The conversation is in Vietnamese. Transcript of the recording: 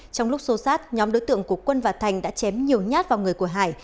trong lúc xô sát nhóm đối tượng của quân và thành đã chém nhiều nhát vào người của hải